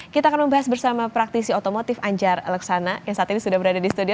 kita akan membahas bersama praktisi otomotif anjar laksana yang saat ini sudah berada di studio